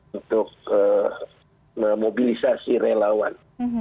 untuk memobilisasi relawan